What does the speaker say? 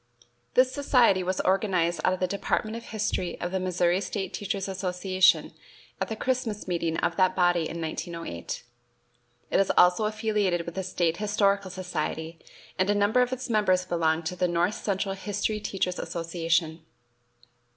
This society was organized out of the Department of History of the Missouri State Teachers' Association at the Christmas meeting of that body in 1908. It is also affiliated with the State Historical Society, and a number of its members belong to the North Central History Teachers' Association.